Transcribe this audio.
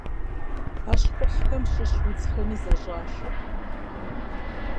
А щхъухьхэм щыщ удзхэми зэщӀашэ.